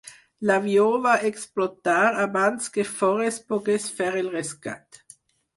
L"avió va explotar abans que Forest pogués fer el rescat.